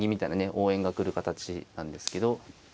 応援が来る形なんですけど。